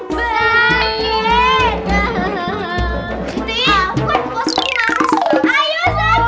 buan positi masuk